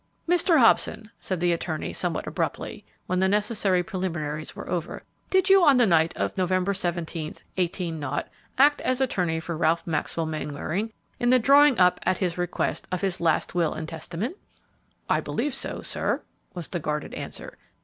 "Mr. Hobson," said the attorney, somewhat abruptly, when the necessary preliminaries were over, "did you on the night of November 17, 18 , act as attorney for Ralph Maxwell Mainwaring, in the drawing up, at his request, of his last will and testament?" "I believe so, sir," was the guarded answer.